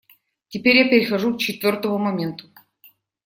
Теперь я перехожу к четвертому моменту.